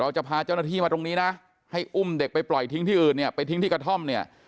จะพาเจ้าหน้าที่มาตรงนี้นะให้อุ้มเด็กไปปล่อยทิ้งที่อื่นเนี่ยไปทิ้งที่กระท่อมเนี่ย